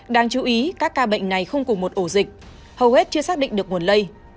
đáng chú ý các ca bệnh này không cùng một ổ dịch hầu hết chưa xác định được nguồn lây